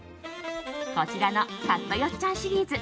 こちらのカットよっちゃんシリーズ。